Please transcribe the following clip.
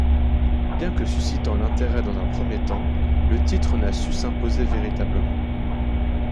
Bien que suscitant l'intérêt dans un premier temps, le titre n'a su s'imposer véritablement.